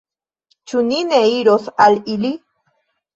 Ĉu ni ne iros al ili?